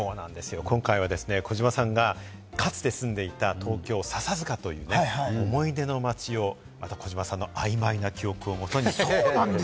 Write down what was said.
今回は児嶋さんがかつて住んでいた東京・笹塚という思い出の街を、また児嶋さんの曖昧な記憶を元に。